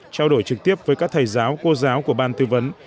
trao đổi trực tiếp với các thầy giáo cô giáo của ban tư vấn